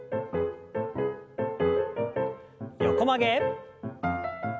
横曲げ。